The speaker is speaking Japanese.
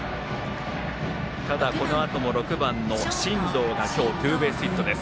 このあとも６番の進藤が今日、ツーベースヒットです。